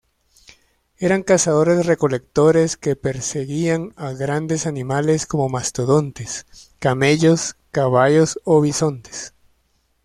Eran cazadores-recolectores que perseguían a grandes animales como mastodontes, camellos, caballos o bisontes.